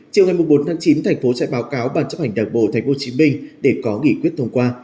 chiều ngày một mươi bốn tháng chín thành phố sẽ báo cáo bàn chấp hành đảng bộ tp hcm để có nghỉ quyết thông qua